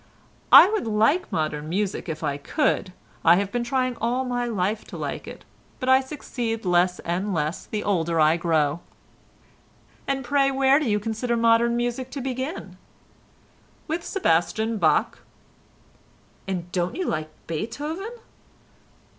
"I would like modern music, if I could; I have been trying all my life to like it, but I succeed less and less the older I grow." "And pray, where do you consider modern music to begin?" "With Sebastian Bach." "And don't you like Beethoven?"